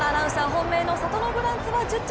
本命のサトノグランツは１０着。